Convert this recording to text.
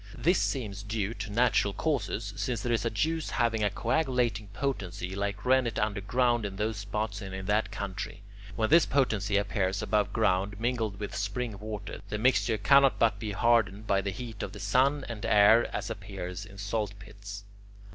This seems due to natural causes, since there is a juice having a coagulating potency like rennet underground in those spots and in that country. When this potency appears above ground mingled with spring water, the mixture cannot but be hardened by the heat of the sun and air, as appears in salt pits.